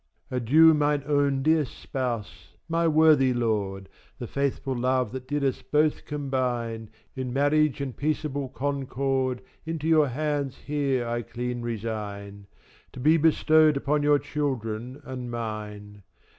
Adieu mine own dear spouse, my worthy lord, The faithful love that did us both combine, In marriage and peaceable concord Into your handes here I clean resign, To be bestowed upon your children and mine.